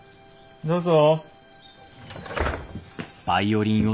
どうぞ。